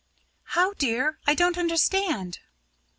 "How, dear? I don't understand."